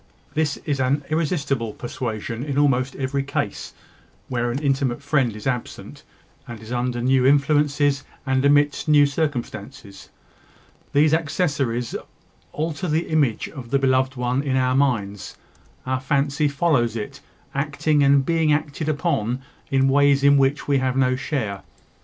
This is an irresistible persuasion in almost every case where an intimate friend is absent, and is under new influences, and amidst new circumstances. These accessories alter the image of the beloved one in our minds; our fancy follows it, acting and being acted upon in ways in which we have no share.